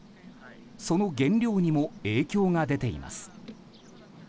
その原料にも影響が出ています。